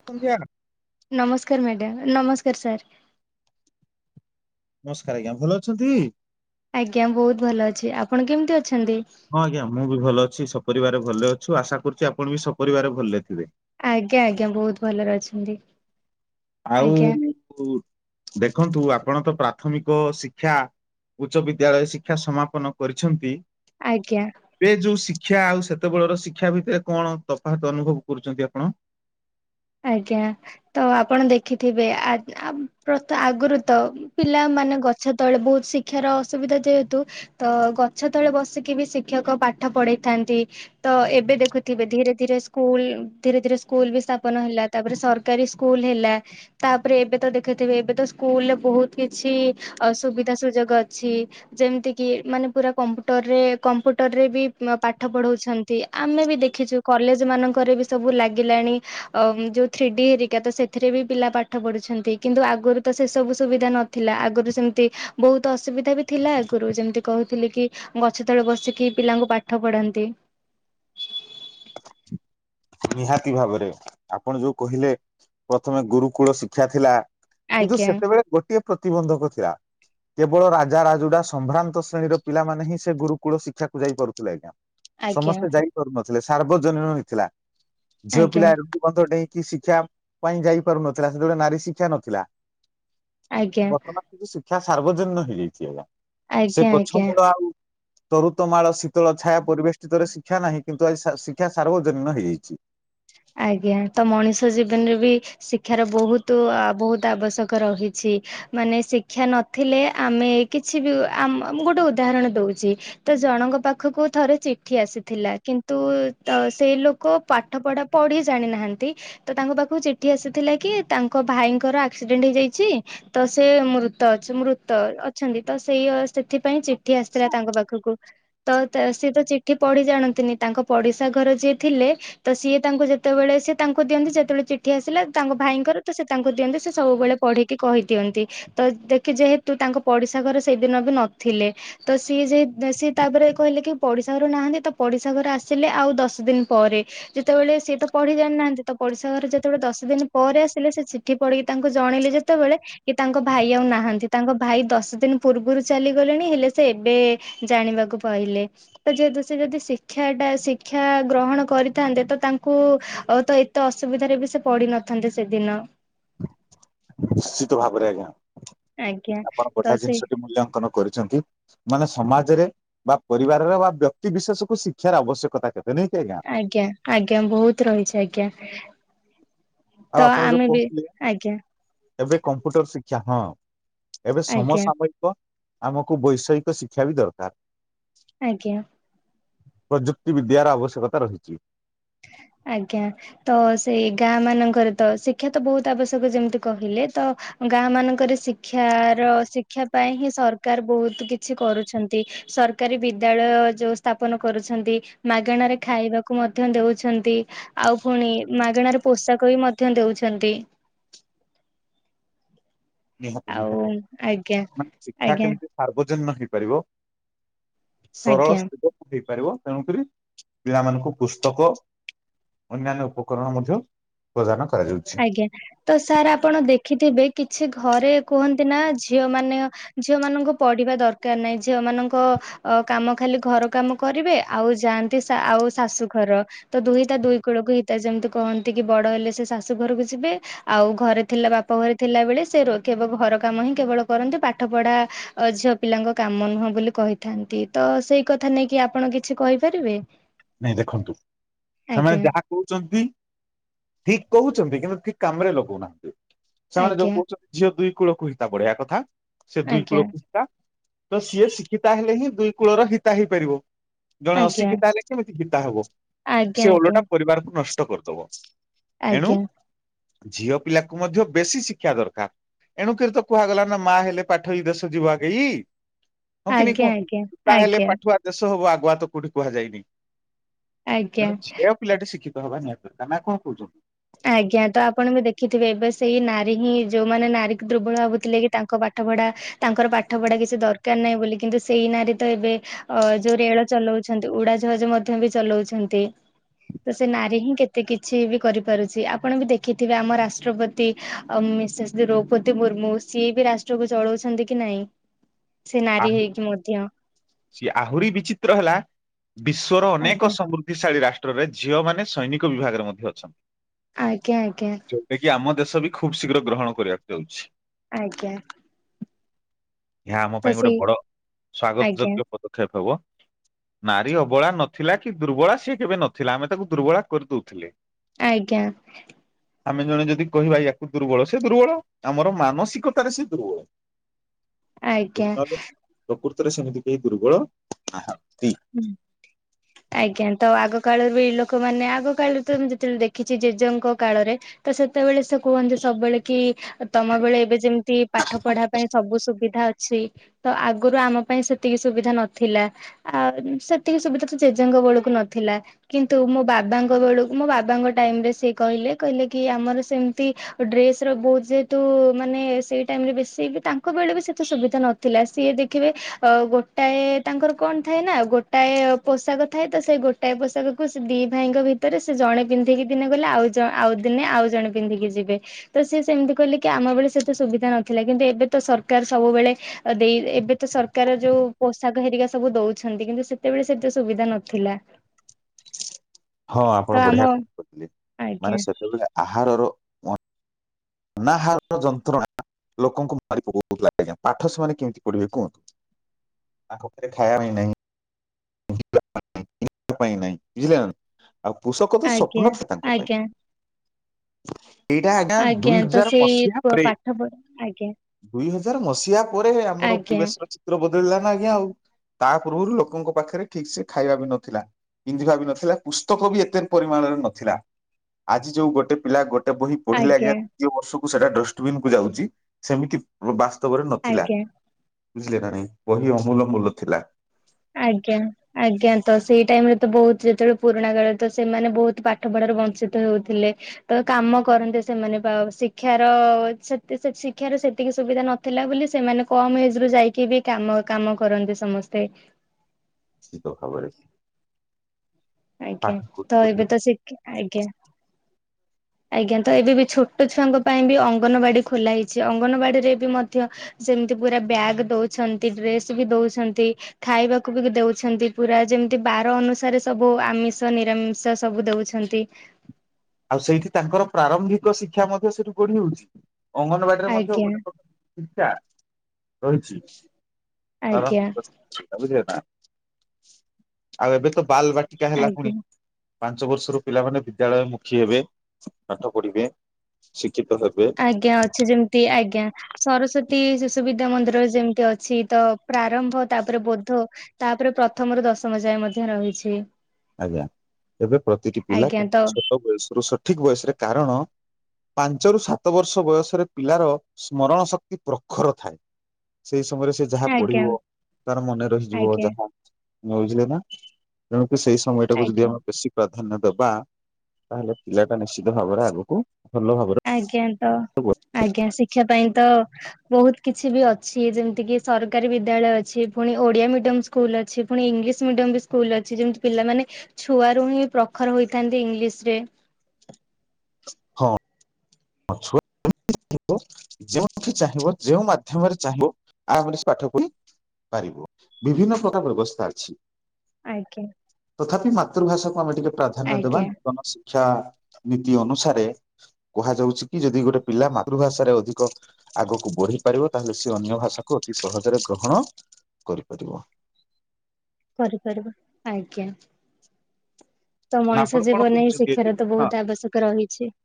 [inaudible] ନମସ୍କାର ମ୍ୟାଡମ୍ ନମସ୍କାର ସାର୍। ନମସ୍କାର ଆଜ୍ଞା ଭଲ ଅଛନ୍ତି। ଆଜ୍ଞା ବହୁତ ଭଲ ଅଛି ଆପଣ କେମିତି ଅଛନ୍ତି? ହଁ ଆଜ୍ଞା ମୁଁ ବି ଭଲ ଅଛି ସପରିବାରେ ଭଲ ଅଛୁ ଆଶା କରୁଛି ଆପଣ ବି ସପରିବାରରେ ଭଲରେ ଥିବେ। ଆଜ୍ଞା ଆଜ୍ଞା ବହୁତ ଭଲରେ ଅଛନ୍ତି। ଆଜ୍ଞା ଆଉ ଦେଖନ୍ତୁ ଆପଣ ତ ପ୍ରାଥମିକ ଶିକ୍ଷା ଉଚ୍ଚ ବିଦ୍ୟାଳୟ ଶିକ୍ଷା ସମାପନ କରିଛନ୍ତି। ଆଜ୍ଞା। ଏବେ ଯୋଉ ଶିକ୍ଷା ଆଉ ସେତେବେଳର ଶିକ୍ଷା ଭିତରେ କଣ ତଫାତ ଅନୁଭବ କରୁଛନ୍ତି ଆପଣ? ଆଜ୍ଞା ତ ଆପଣ ଦେଖିଥିବେ ଆ ପ ଆଗରୁ ତ ପିଲାମାନେ ଗଛତଳେ ବହୁତ ଶିକ୍ଷାର ଅସୁବିଧା ଯେହେତୁ। ତ ଗଛତଳେ ବସିକି ବି ଶିକ୍ଷକ ପାଠ ପଢେଇଥାନ୍ତି। ତ ଏବେ ଦେଖୁଥିବେ ଧୀରେ ଧୀରେ ସ୍କୁଲ ଧୀରେ ଧୀରେ ସ୍କୁଲ ବି ସ୍ତା ପନ ହେଲା ତାପରେ ସରକାରୀ ସ୍କୁଲ ହେଲା। ତାପରେ ଏବେ ତ ଦେଖିଥିବେ ଏବେ ତ ସ୍କୁଲରେ ବହୁତ କିଛି ଅ ସୁବିଧା ସୁଯୋଗ ଅଛି। ଯେମିତିକିି ମାନେ ପୁରା କମ୍ପୁଟରରେ କମ୍ପୁଟରରେ ବି ପାଠ ପଢଉଛନ୍ତି ଆମେ ବି ଦେଖିଛୁ। କଲେଜ ମାନଙ୍କରେ ବି ସବୁ ଲାଗିଲାଣି। ଯୋଉ ଥ୍ରିଡି ଏରିକା ତ ସେଥିରେ ବି ପିଲା ପାଠ ପଢୁଛନ୍ତି କିନ୍ତୁ ଆଗରୁ ତ ସେ ସବୁ ସୁବିଧା ନ ଥିଲା ଆଗରୁ ସେମିତି ବହୁତ ଅସୁବିଧା ବି ଥିଲା ଆଗରୁ ଯେମିତି କହୁଥିଲି କି ଗଛତଳେ ବସିକି ପିଲାଙ୍କୁ ପାଠ ପଢାନ୍ତି। ନିହାତି ଭାବରେ ଆପଣ ଯୋଉ କହିଲେ ପ୍ରଥମେ ଗୁରୁକୁଳ ଶିକ୍ଷା ଥିଲା। କିନ୍ତୁ ଆଜ୍ଞା ସେତେବେଳେ ଗୋଟିଏ ପ୍ରତିବନ୍ଧକ ଥିଲା। କେବଳ ରାଜା ରାଜୁଡା ସମ୍ଭ୍ରାନ୍ତ ଶ୍ରେଣୀର ପିଲାମାନେ ହିଁ ସେ ଗୁରୁକୁଳ ଶିକ୍ଷାକୁ ଯାଇ କରୁଥିଲେ ଆଜ୍ଞା। ଆଜ୍ଞା ସମସ୍ତେ ଯାଇପାରୁନଥିଲେ ସାର୍ବଜନୀନ ହେଇଥିଲା ଝିଅ ଆଜ୍ଞା ପିଲା ଏରତି ବନ୍ଧ ଡେଇଁକି ଶିକ୍ଷା ପାଇଁ ଯାଇପାରୁନଥିଲା ସେତେବେଳେ ନାରୀ ଶିକ୍ଷା ନଥିଲା। ଆଜ୍ଞା ବର୍ତ୍ତମାନ କିନ୍ତୁ ଶିକ୍ଷା ସାର୍ବଜନୀନ ହେଇଯାଇଛି ଆଜ୍ଞା ସେ ଆଜ୍ଞା ଆଜ୍ଞା ଗଛ ମୂଳ ଆଉ ତରୁତମାଳ ଶୀତଳ ଛାୟା ପରିବେଶଟିିତରେ ଶିକ୍ଷା ନାହିଁ କିନ୍ତୁ ଆଜି ଶିକ୍ଷା ସାର୍ବଜନୀନ ହେଇଯାଇଛି। ଆଜ୍ଞା ତ ମଣିଷ ଜୀବନରେ ବି ଶିକ୍ଷାର ବହୁତ ବହୁତ ଆବଶ୍ୟକ ରହିଛି। ମାନେ ଶିକ୍ଷା ନଥିଲେ ଆମେ କିଛି ବି ଆ ମୁ ଗୋଟେ ଉଦାହରଣ ଦେଉଛି। ତ ଜଣଙ୍କ ପାଖକୁ ଥରେ ଚିଠି ଆସିଥିଲା କିନ୍ତୁ ତ ସେଇ ଲୋକ ପାଠ ପଢା ପଢ଼ି ଜାଣିନାହାନ୍ତି। ତ ତାଙ୍କ ପାଖକୁ ଚିଠି ଆସିଥିଲା କି ତାଙ୍କ ଭାଇଙ୍କର ଆକ୍ସିଡେଣ୍ଟ ହେଇଯାଇଛି। ତ ସେ ମୃତ ଅ ମୃତ ଅଛନ୍ତି ତ ସେଇ ସେଥିପାଇଁ ଚିଠି ଆସିଥିଲା ତାଙ୍କ ପାଖକୁ। ତ ସିଏ ତ ଚିଠି ପଢି ଜାଣନ୍ତିନି ତାଙ୍କ ପଡିଶା ଘର ଯିଏ ଥିଲେ ତ ସିଏ ତାଙ୍କୁ ଯେତେବେଳେ ସେ ତାଙ୍କୁ ଦିଅନ୍ତି ଯେତେବେଳେ ଚିଠି ଆସିଲା ତାଙ୍କ ଭାଇଙ୍କର ତ ସେ ତାଙ୍କୁ ଦିଅନ୍ତି ସେ ସବୁବେଳେ ପଢିକି କହିଦିଅନ୍ତି ତ ଦେଖି ଯେହେତୁ ତାଙ୍କ ପଡିଶା ଘରେ ସେଇଦିନ ବି ନଥିଲେ। ତ ସିଏ ଯ ସିଏ ତାପରେ କହିଲେ କି ପଡିଶା ଘରୁ ନାହାନ୍ତି ତ ପଡିଶା ଘରେ ଆସିଲେ ଆଉ ଦଶ ଦିନ ପରେ ଯେ ଯେତେବେଳେ ସିଏ ତ ପଢ଼ିଜାଣିନାହାନ୍ତି ତ ପଡ଼ିଶା ଘରେ ଯେତେବେଳେ ଦଶଦିନ ପରେ ଆସିଲେ ସେ ଚିଠି ପଢ଼ିକି ତାଙ୍କୁ ଜଣେଇଲେ ଯେତେବେଳେ କି ତାଙ୍କ ଭାଇ ଆଉ ନାହାନ୍ତି ତାଙ୍କ ଭାଇ ଦଶ ଦିନ ପୂର୍ବରୁ ଚାଲିଗଲେଣି ହେଲେ ସେ ଏବେ ଜାଣିବାକୁ ପାଇଲେ ତ ଯେହେତୁ ସେ ଯଦି ଶିକ୍ଷା ଟା ଶିକ୍ଷା ଗ୍ରହଣ କରିଥାନ୍ତେ ତ ତାଙ୍କୁ ତ ଏତେ ଅସୁବିଧାରେ ବି ସେ ପଡିିନଥାନ୍ତେ ସେଦିନ। ନିଶ୍ଚିତ ଭାବରେ ଆଜ୍ଞା ଆଜ୍ଞା ଆପଣ ତ ବଢିଆ ସେ ଜିନିଷଟି ମୂଲ୍ୟାଙ୍କନ କରିଚନ୍ତି। ମାନେ ସମାଜରେ ବା ପରିବାରରେ ବା ବ୍ୟକ୍ତ ବିିଶେଷକୁୁ ଶିକ୍ଷାର ଆବଶ୍ୟକତା କେତେ ନୁହେଁକି ଆଜ୍ଞା। ଆଜ୍ଞା ଆଜ୍ଞା ବହୁତ ରହିଛି ଆଜ୍ଞା। ଆଉ ତ ଆପଣ ଯୋଉ ଆମେ ବି କହୁଥିଲେ ଆଜ୍ଞା। ଏବେ କମ୍ପ୍ୟୁଟର ଶିକ୍ଷା ହଁ ଏବେ ଆଜ୍ଞା ସମସାମୟ ୟିକ ଆମକୁ ବୈଷୟିକ ଶିକ୍ଷା ବି ଦରକାର। ଆଜ୍ଞା। ପ୍ରଯୁକ୍ତି ବିଦ୍ୟ ର ଆବଶ୍ୟକତା ରହିଚି। ଆଜ୍ଞା। ତ ସେଇ ଗାଁ ମାନଙ୍କରେ ତ ଶିକ୍ଷା ତ ବହୁତ ଆବଶ୍ୟକ ଯେମିତି କହିଲେ ତ ଗାଁ ମାନଙ୍କରେ ଶିକ୍ଷାର ଶିକ୍ଷା ପାଇଁ ହିଁ ସରକାର ବହୁତ କିଛି କରୁଚନ୍ତି। ସରକାରୀ ବିଦ୍ୟାଳୟ ଯୋଉ ସ୍ଥାପନ କରୁଛନ୍ତି ମାଗଣରେ ଖାଇବାକୁ ମଧ୍ୟ ଦଉ ଛନ୍ତି ଆଉ ପୁଣି ମାଗେଣାରେ ପୋଷାକ ବି ମଧ୍ୟ ଦଉଛନ୍ତି। ନିହତି ଆଉ ନିହତି ଆଜ୍ଞା ମାନେ ଶିକ୍ଷା ଆଜ୍ଞା କେମିତି ସାର୍ବଜନୀନ ହେଇପାରିବ ସରଳ ଆଜ୍ଞା। ସୁବିଧା ହେଇପାରିବ ତେଣୁକରି ପିଲାମାନଙ୍କୁ ପୁସ୍ତକ ଅନ୍ୟାନ୍ୟ ଉପକରଣ ମଧ୍ୟ ପ୍ରଦାନ କରାଯାଉଛି। ଆଜ୍ଞା ତ ସାର୍ ଆପଣ ଦେଖିଥିବେ କିଛି ଘରେ କୁହନ୍ତି ନା ଝିଅ ମାନେ ଝିଅ ମାନଙ୍କୁ ପଢିବା ଦରକାର ନାହିଁ ଝିଅମାନଙ୍କ ଅ କାମ ଖାଲି ଘର କାମ କରିବେ ଆଉ ଯାଆନ୍ତି ଅ ଆଉ ଶାଶୁଘର। ତ ଦୁହିତା ଦୁଇ କୂଳକୁ ହିତା ଯେମିତି କହନ୍ତି କି ବଡ ହେଲେ ସେ ଶାଶୁ ଘରକୁ ଯିବେ। ଆଉ ଘରେ ଥିଲା ବାପ ଘରେ ଥିଲା ବଳେ ସେ ରୋ ଘର କାମ ହିଁ କେବଳ କରନ୍ତି ପାଠ ପଢା ଅ ଝିଅ ପିଲାଙ୍କ କାମ ନୁହଁ ବୋଲି କହିଥାନ୍ତି ତ ସେଇ କଥା ନେଇକି ଆପଣ କିଛି କହିପାରିବେ। ନାଇଁ ଦେଖନ୍ତୁ ସେମାନେ ଆଜ୍ଞା ଯାହା କହୁଚନ୍ତି ଠିକ କହୁଚନ୍ତି କିନ୍ତୁ ଠିକ କାମରେ ଲଗଉ ନାହାନ୍ତି। ସେମାନେ ଯୋଉ ଆଜ୍ଞା କହୁଛନ୍ତି ଝିଅ ଦୁଇ କୂଳକୁ ହିତା ବଢିଆ କଥା ସେ ଦୁଇ ଆଜ୍ଞା କୂଳକୁ ହିତା ସିଏ ଶିକ୍ଷିତା ହେଲେ ହିଁ ଦୁଇ କୂଳର ହିତା ହେଇପାରିବ ଜଣେ ଆଜ୍ଞା ଅଶିକ୍ଷିତା ହେଲେ କେମିତି ହିତା ହବ ଆଜ୍ଞା ଆଜ୍ଞା ସେ ଓଲଟା ଆଜ୍ଞା ପରିବାରକୁ ନଷ୍ଟ କରିଦବ ଏଣୁ ଆଜ୍ଞା ଝିଅ ପିଲାକୁ ମଧ୍ୟ ବେଶୀ ଶିକ୍ଷା ଦରକାର। ଏଣୁକିରି ତ କୁହାଗଲା ନା ମା ହେଲେ ପାଠେଇ ଦେଶ ଯିବ ଆଗେଇ। ହଁ କି ନି ଆଜ୍ଞା କୁହନ୍ତୁ ଆଜ୍ଞା ପିତା ହେଲେ ଆଜ୍ଞା ପାଠୁଆ ଦେଶ ହବ ଆଗୁଆ ତ କୋଉଠି କୁହାଯାଇନି। ଆଜ୍ଞା ତେଣୁ ଝିଅ ପିଲାଟି ଶିକ୍ଷିତ ହେବା ନି ଦରକାର ନା କଣ କହୁଚନ୍ତି। ଆଜ୍ଞା ତ ଆପଣ ବି ଦେଖିଥିବେ ଏବେ ସେଇ ନାରୀ ହିଁ ଯୋଉମାନେ ନାରୀକୁ ଦୁର୍ବଳ ଭାବୁଥିଲେ କି ତାଙ୍କ ପା ଠ ପଢା ତାଙ୍କର ପାଠ ପଢା କିଛି ଦରକାର ନାହିଁ ବୋଲି କିନ୍ତୁ ସେଇ ନାରୀ ତ ଏବେ ଅ ଯୋଉ ରେଳ ଚଲଉଛନ୍ତି ଉଡା ଜାହାଜ ମଧ୍ୟ ବି ଚଲଉଛନ୍ତି ତ ସେ ନାରୀ ହିଁ କେତେ କିଛି ବି କରି ପାରୁଛି ଆପଣ ବି ଦେଖିଥିବେ ଆମ ରାଷ୍ଟ୍ରପତି ଅ ମିସେସ୍ ଦ୍ରୌପଦୀ ମୁର୍ମୁ ସିଏ ବି ରାସ୍ ଷ୍ଟ୍ରକୁ ଚଳଉଛନ୍ତି କି ନାଇଁ ସେ ନାରୀ ଆହୁ ହେଇକି ମଧ୍ୟ। ସିଏ ଆହୁରି ବିଚିତ୍ର ହେଲା ବିଶ୍ଵର ଅନେକ ଆଜ୍ଞା ସମୃ ଧିଶାଳି ରାଷ୍ଟ୍ରରେ ଝିଅ ମାନେ ସୈନିକ ବିଭାଗରେ ମଧ୍ୟ ଅଛନ୍ତି। ଆଜ୍ଞା ଆଜ୍ଞା। ଯୋଉଟା କିି ଆମ ଦେଶ ବି ଖୁବ ଶୀଘ୍ର ଗ୍ରହଣ କରିବାକୁ ଯାଉଛି। ଆଜ୍ଞା। ଏହା ଆମ ତ ପାଇଁ ଗୋଟେ ସେଇ ବଡ ସ୍ଵାଗତ ଆଜ୍ଞା ଯୋଗ୍ୟ ପଦକ୍ଷେପ ହବ। ନାରୀ ଅବଳା ନଥିଲା କି ଦୁର୍ବଳା ସିଏ କେବେ ନଥିଲା ଆମେ ତାକୁ ଦୁର୍ବଳା କରିଦଉଥିଲେ। ଆଜ୍ଞା। ଆମେ ଜଣେ ଯଦି କହିବା ୟାକୁ ଦୁର୍ବଳ ସେ ଦୁର୍ବଳ ଆମର ମାନସିକତାରେ ସେ ଦୁର୍ବଳ। ସେ ଆଜ୍ଞା। ନହଲେ ପ୍ରକୃତରେ ସେମିତି କେହି ଦୁର୍ବଳ ନାହାନ୍ତି। ହୁଁ। ଆଜ୍ଞା ତ ଆଗ କାଳରୁ ବି ଲୋକମାନୋ ଆଗ କାଳରେ ତ ମୁଁ ଯେତେବେଳେ ଦେଖିଛି ଜେଜେଙ୍କ କାଳରେ ତ ସେତେବେଳେ ସେ କୁହନ୍ତି ସବୁବେଳେ କି ତମ ବେଳେ ଏବେ ଯେମିତି ପାଠ ପଢା ପାଇଁ ସବୁ ସୁବିଧା ଅଛି ତ ଆଗରୁ ଆମ ପାଇଁ ସେତିକି ସୁବିଧା ନଥିଲା। ଆଉ ସେତିକି ସୁବିଧା ତ ଜେଜେଙ୍କ ବେଳକୁ ନଥିଲା। କିନ୍ତୁ ମୋ ବାବାଙ୍କ ବେଳକୁ ମୋ ବାବାଙ୍କ ଟାଇମ ରେ ସିଏ କହିଲେ କହିଲେ କି ଆମର ସେମିତି ଡ୍ରେସ ର ବହୁତ ଯେହେତୁ ମାନେ ସେଇ ଟାଇମ୍ ରେ ବେଶୀ ତାଙ୍କ ବେଳେ ବି ସେତେ ସୁବିଧା ନଥି ଥିଲା। ସିଏ ଦେଖିବେ ଅ ଗୋଟାଏ ତାଙ୍କର କଣ ଥାଏ ନା ଗୋଟାଏ ପୋଷାକ ଥାଏ ତ ସେଇ ଗୋଟାଏ ପୋଷାକକୁ ସେ ଦି ଭାଇଙ୍କ ଭିତରେ ସେ ଜଣେ ପିନ୍ଧିକି ଦିନେ ଗଲେ ଆଉ ଆଉ ଦିନେ ଆଉ ଜଣେ ପିନ୍ଧିକି ଯିବେ। ତ ସେ ସେମିତି କହିଲେ କି ଆମ ବେଳେ ସେତେ ସୁବିଧା ନଥିଲା କିନ୍ତୁ ଏବେ ତ ସରକାର ସବୁବେଳେ। ଦେଇ ଏବେ ତ ସରକାର ଯୋଉ ପୋଷାକ ହେରିକା ସବୁ ଦଉ ଛନ୍ତି କିନ୍ତୁ ସେତେବେଳେ ସେତ ସୁବିଧା ନଥିଲା। ହଁ ତ ଆପଣ ଆମ ବଢିଆ କ କହିଲେ ଆଜ୍ଞା ମାନେ ସେତେବେଳେ ଆହାରର ଅନାହାର ର ଯନ୍ତ୍ରଣା ଲୋକଙ୍କୁ ମାରି ପକଉ ଥିଲା ଆଜ୍ଞା ପାଠ ସେମାନେ କେମିତି ପଢିବେ କୁହନ୍ତୁ। ତାଙ୍କ ଘରେଖାଇବା ବି ନାଇଁ। [unintelligible] ଆଉ ପୋଷକ ତ ଆଜ୍ଞା ସ୍ୱପ୍ନ ଥା ତାଙ୍କ ପାଇଁ। ଆଜ୍ଞା ଏଇଟା ଆଜ୍ଞା ଦୁଇ ତ ହଜାର ସେଇ ମସିହା ପ୍ରେ ପାଠ ପଢା ଆଜ୍ଞା ଦୁଇ ହଜାର ମସିହା ପରେ ଆମର ଆଜ୍ଞା ପରିବେଶର ଚିତ୍ର ବଦଳିଲା ନା ଆଜ୍ଞା ଆଉ। ତା ପୂର୍ବରୁ ଲୋକଙ୍କ ପାଖରେ ଠିକ୍ ସେ ଖାଇବା ବି ନଥିଲା ପିନ୍ଧିବା ବି ନଥିଲା ପୁସ୍ତକ ବି ଏତେ ପରିମାଣରେ ନଥିଲା। ଆଜି ଯୋଉ ଗୋଟେ ପିଲା ଗୋଟେ ବହି ପଢିଲେ ଆଜ୍ଞା ଦ୍ୱିତୀୟ ବର୍ଷକୁ ସେଟା ଡଷ୍ଟବିନ କୁ ଯାଉଚି ସେମିତି ବାସ୍ତବରେ ନଥିଲା ଆଜ୍ଞା ବୁଝିଲେ ନା ନାହିଁ? ବହି ଅମୂଲମୂଲ ଥିଲା। ଆଜ୍ଞା। ଆଜ୍ଞା ତ ସେଇ ଟାଇମ୍ ରେ ତ ବହୁତ ଯେତେବେଳେ ପୁରୁଣା କାଳେରେ ତ ସେମାନେ ବହୁତ ପାଠ ପଢାରୁ ବଂଞ୍ଚିତ ହେଉଥିଲେ। ତ କାମ କରନ୍ତି ସେମାନେ ବା ଶିକ୍ଷାର ସେତେ ଶିକ୍ଷାର ସେତିକି ସୁବିଧା ନ ଥିଲା ବୋଲି ସେମାନେ କମ ଏଜ ରୁ ଯାଇକି ବି କାମ କାମ କରନ୍ତି ସମସ୍ତେ। [unintelligible] ଆଜ୍ଞା ପାଠ ତ ଏବେ ତ ଶିଖ ଆଜ୍ଞା। ଆଜ୍ଞା ତ ଏବେ ବି ଛୋଟ ଛୁଆଙ୍କ ପାଇଁ ବି ଅଙ୍ଗନବାଡି ଖୋଲା ହେଇଛି। ଅଙ୍ଗନବାଡି ରେ ବି ମଧ୍ୟ ସେମିତି ପୁରା ବ୍ୟାଗ୍ ଦଉଛନ୍ତି ଡ୍ରେସ ବି ଦଉଛନ୍ତି। ଖାଇବାକୁ ବି ଦଉଛନ୍ତି ପୁରା ଯେମିତି ବାର ଅନୁସାରେ ସେ ସବୁ ଆମିଷ ନିରାମିଷ ସବୁ ଦଉଛନ୍ତି। ଆଉ ସେଇଠି ତାଙ୍କର ପ୍ରାରମ୍ଭିକ ଶିକ୍ଷା ମଧ୍ୟ ସେଠୁ ଗଢି ହଉଛି ଅଙ୍ଗନବାଡି ମଧ୍ୟ ଆଜ୍ଞା ଗୋଟେ ପ୍ରକାର ଶିକ୍ଷା ରହିଛି। ଆଜ୍ଞା ବୁଝିଲେ ନା ଆଉ ଏବେ ତ ବାଲ ବାଟିକା ହେଲା ପୁଣି। ଆଜ୍ଞା ପାଞ୍ଚ ବର୍ଷରୁ ପିଲାମାନେ ବିଦ୍ୟାଳୟ ମୁଖୀ ହେବେ, ପାଠ ପଢିବେ, ଶିକ୍ଷିତ ହେବେ। ଆଜ୍ଞା ଅଛି ଯେମିତି ଆଜ୍ଞା। ସରସ୍ଵତୀ ଶିଶୁ ବିଦ୍ୟା ମନ୍ଦିର ଯେମିତି ଅଛି ତ ପ୍ରାରମ୍ଭ ତାପରେ ବୋଧ ତାପରେ ପ୍ରଥମରୁ ଦଶମ ଯାଏ ମଧ୍ୟ ରହିଛି। ଆଜ୍ଞା ଏବେ ପ୍ରତିଟି ପିଲା ଆଜ୍ଞା କୁ ତ ଛୋଟ ବୟସରୁ ସଠିକ ବୟସରେ କାରଣ ପାଞ୍ଚ ରରୁ ସାତ ବର୍ଷ ବୟସରେ ପିଲାର ସ୍ମରଣ ଶକ୍ତି ପ୍ରଖର ଥାଏ। ସେଇ ସମୟରେ ସେ ଯାହା ଆଜ୍ଞା ପଢିବ ତାର ମନେ ରହିଯିବ ଆଜ୍ଞା ଯାହା ବୁଝିଲେ ନା। ତେଣୁକି ସେଇ ସମୟ ଟାକୁ ଆଜ୍ଞା ଯଦି ଆମେ ବେଶୀ ପ୍ରାଧାନ୍ୟ ଦବା ତାହେଲେ ପିଲାଟା ନିଶ୍ଚିତ ଭାବରେ ଆଗକୁ ଭଲ ଭାବରେ ଆଜ୍ଞା ତ ଆଜ୍ଞା ଶିକ୍ଷା ପାଇଁ ତ ବହୁତ କିଛି ବି ଅଛି ଯେମିତି କି ସରକାରୀ ବିଦ୍ୟାଳୟ ଅଛି, ପୁଣି ଓଡିଆ ମିଡିଅମ ସ୍କୁଲ ଅଛି, ପୁଣି ଇଂଲିଶ ମିଡିୟମ ବି ସ୍କୁଲ୍ ଅଛି, ଯେମିତି ପିଲାମାନେ ଛୁଆରୁ ହିଁ ପ୍ରଖର ହୋଇଥାନ୍ତି ଇଂଲିଶ ରେ। ହଁ। ହଛୁ [unintelligible] [unintelligible] ଯେଉଁଠି ଚାହିଁବ ଯେଉଁ ମାଧ୍ୟମରେ ଚାହିଁବ, ଆମ ସେ ପାଠ ପଢ଼ି ପାରିବ, ବିଭିନ୍ନ ପ୍ରକାର ବ୍ୟବସ୍ଥା ଅଛି। ଆଜ୍ଞା। ତଥାପି ମାତୃଭାଷାକୁ ଆମେ ଟିକେ ପ୍ରାଧାନ୍ୟ ଦେବା, ଆଜ୍ଞା ନୂତନ ଶିକ୍ଷା ନୀତି ଅନୁସାରେ କୁହାଯାଉଛି କି, ଯଦି ଗୋଟେ ପିଲା ମାତୃଭାଷାରେ ଅଧିକ ଆଗକୁ ବଢି ପାରିବ, ତାହେଲେ ସିଏ ଅନ୍ୟ ଭାଷାକୁ ଅତି ସହଜରେ ଗ୍ରହଣ କରିପାରିବ। କରି ପାରିବ ଆଜ୍ଞା। ତ ନା ଆପଣ ମଣିଷ କଣ ଜୀବନ ହିଁ କହୁଛନ୍ତି ଏ ଶିକ୍ଷାର ଦିଗରେ ତ ହଁ ବହୁତ ଆବଶ୍ୟକ ରହିଛି।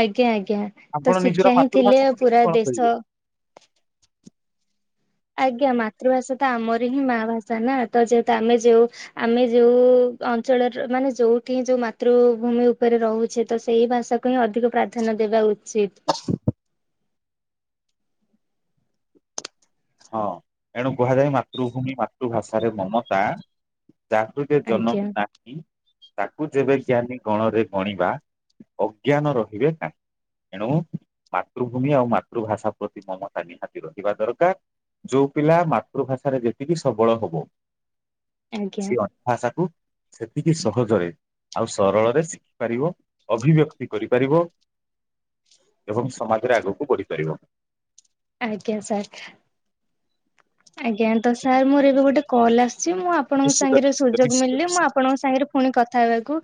ଆଜ୍ଞା ଆଜ୍ଞା, ଆପଣ ତ ନିଜର ଶିକ୍ଷା ହିଁ ଥିଲେ ମାତୃଭାଷାକୁ ନେଇକି ପୁରା କଣ କହିବେ? ଦେଶ ଆଜ୍ଞା ମାତୃଭାଷା ତ ଆମର ହିଁ ମା ଭାଷା ନା, ତ ଯେହେତୁ ଆମେ ଯୋଉ ଆମେ ଯୋଉ ଅ ଅଞ୍ଚଳରେ ମାନେ ଯୋଉଠି ଯୋଉ ମାତୃଭୂମି ଉପରେ ରହୁଛେ, ତ ସେଇ ଭାଷାକୁ ହିଁ ଅଧିକ ପ୍ରା ଧ୍ୟାନ ଦେବା ଉଚିତ୍। ହଁ ଏଣୁ କୁହାଯାଏ, ମାତୃଭୂମି ମାତୃଭାଷାରେ ମମତା ଯାହୃଦେ ଆଜ୍ଞା ଜନମି ନାହିଁ ତାକୁ ଯେବେ ଜ୍ଞାନୀ ଗଣରେ ଗଣିବା ଅଜ୍ଞାନ ରହିବେ କାହିଁ। ଏଣୁ ମାତୃଭୂମି ଆଉ ମାତୃଭାଷା ପ୍ରତି ମମତା ନିହାତି ରହିବା ଦରକାର। ଯୋଉ ପିଲା ମାତୃଭାଷାରେ ଯେତିକି ସବଳ ହବ, ଆଜ୍ଞା ସିଏ ଅନ୍ୟ ଭାଷାକୁୁ ସେତିକି ସହଜରେ ଆଉ ସରଳରେ ଶିଖିପାରିବ, ଅଭିବ୍ୟକ୍ତି କରିପାରିବ ଏବଂ ସମାଜରେ ଆଗକୁ ବଢିପାରିବ। ଆଜ୍ଞା ସାର୍। ଆଜ୍ଞା ତ ସାର୍ ମୋର ଏବେ ଗୋଟେ କଲ୍ ଆସୁଛି, ମୁଁ ଆ- ଆପଣଙ୍କ ନିଶ୍ଚିତ ସାଙ୍ଗରେ ନିଶ୍ଚିତ ସୁଯୋଗ ନିଶ୍ଚିତ ମିଳିଲେ, ମୁଁ ନିଶ୍ଚିତ ଆପଣଙ୍କ ସାଙ୍ଗରେ ପୁଣି କଥା ହେବାକୁ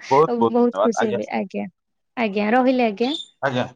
ବହୁତ ଖୁସି ହେବି ଆଜ୍ଞା। ଆଜ୍ଞା ରହିଲି ଆଜ୍ଞା। ଆଜ୍ଞା।